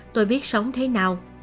tôi biết sống thế nào